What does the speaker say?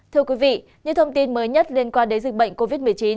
thưa quý vị những thông tin mới nhất liên quan đến dịch bệnh covid một mươi chín